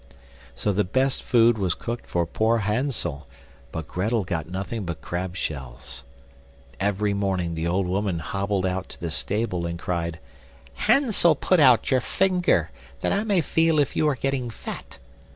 So the best food was cooked for poor Hansel, but Grettel got nothing but crab shells. Every morning the old woman hobbled out to the stable and cried: "Hansel, put out your finger, that I may feel if you are getting fat."